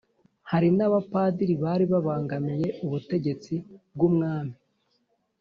hari n'abapadiri bari babangamiye ubutegetsi bw'umwami